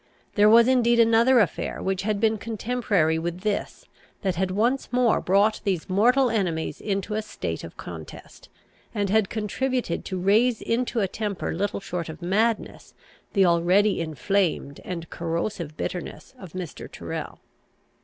There was indeed another affair which had been contemporary with this, that had once more brought these mortal enemies into a state of contest, and had contributed to raise into a temper little short of madness, the already inflamed and corrosive bitterness of Mr. Tyrrel.